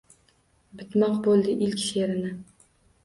Bitmoq bo’ldi ilk she’rini.